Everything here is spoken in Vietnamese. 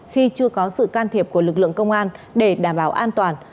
khi chưa có sự can thiệp của lực lượng công an để đảm bảo an toàn